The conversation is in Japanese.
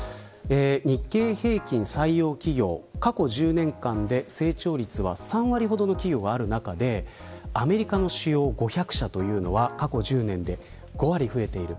日経平均採用企業過去１０年間で成長率は３割ほどの企業がある中でアメリカの主要５００社というのは過去１０年で５割増えている。